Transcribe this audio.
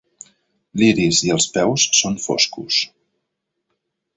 L'iris i els peus són foscos.